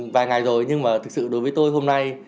vài ngày rồi nhưng mà thực sự đối với tôi hôm nay